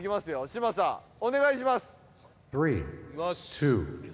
嶋佐お願いします。